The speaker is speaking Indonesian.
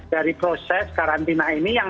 dari proses karantina ini yang